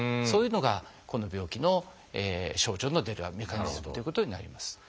そういうのがこの病気の症状の出るメカニズムということになります。